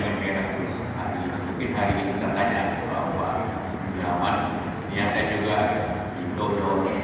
jadi ya itu artinya tidak banyak beda